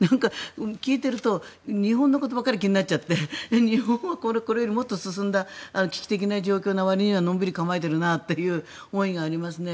聞いていると、日本のことばかり気になっちゃって日本はこれよりもっと進んだ危機的な状況のわりにはのんびり構えているなという思いがありますね。